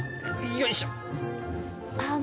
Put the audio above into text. よいしょ。